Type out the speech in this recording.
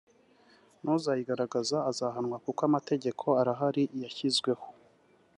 n’uzayigaragaza azahanwa kuko amategeko arahari yashyizweho